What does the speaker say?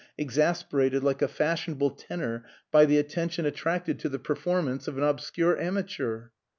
exasperated like a fashionable tenor by the attention attracted to the performance of an obscure amateur.